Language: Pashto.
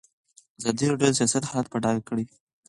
ازادي راډیو د سیاست حالت په ډاګه کړی.